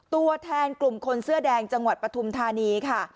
ตัวแทนกลุ่มคนเสื้อแดงจังหวัดปฐุมธานีค่ะ